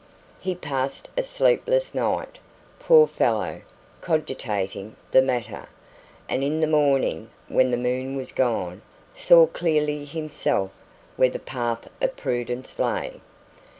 He passed a sleepless night, poor fellow, cogitating the matter; and in the morning, when the moon was gone, saw clearly himself where the path of prudence lay.